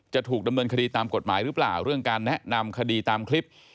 จะถูกดำเนินคดีตามกฎหมายหรือเปล่าเรื่องการแนะนำคดีตามคลิป